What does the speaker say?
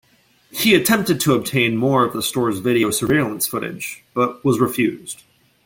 He attempted to obtain more of the store's video surveillance footage, but was refused.